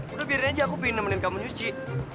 udah biarin aja aku pingin nemenin kamu nyusih